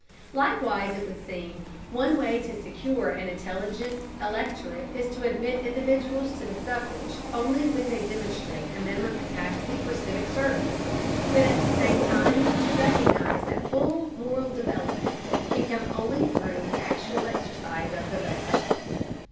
Similarly, it would seem, one way to secure an intelligent electorate is to admit individuals to the suffrage only when they demonstrate a minimum capacity for civic service, but at the same time to recognize that full moral development can come only through actual exercise of the vote.